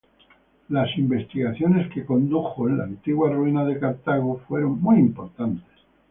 Las investigaciones que condujo en las antiguas ruinas de Cartago fueron muy importantes.